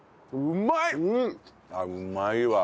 うまいわ！